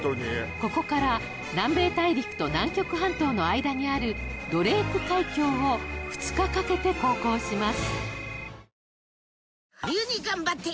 ここから南米大陸と南極半島の間にあるドレーク海峡を２日かけて航行します